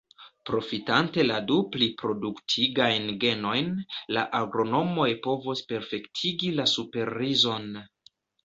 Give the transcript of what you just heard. Profitante la du pliproduktigajn genojn, la agronomoj povos perfektigi la superrizon.